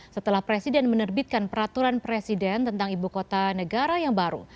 setelah presiden menerbitkan peraturan presiden tentang ibu kota negara yang baru